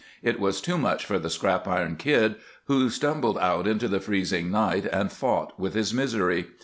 It was too much for the Scrap Iron Kid, who stumbled out into the freezing night and fought with his misery.